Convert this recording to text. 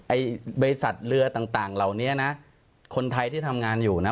ไอ้บริษัทเรือต่างต่างเหล่านี้นะคนไทยที่ทำงานอยู่นะ